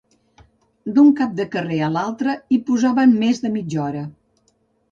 D'un cap de carrer a l'altre hi posaven més de mitja hora